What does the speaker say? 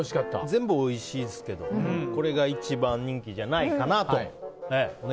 全部おいしかったけどこれが一番人気じゃないかなと。